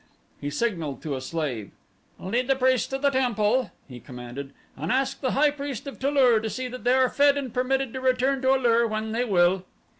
He signaled to a slave. "Lead the priests to the temple," he commanded, "and ask the high priest of Tu lur to see that they are fed and permitted to return to A lur when they will."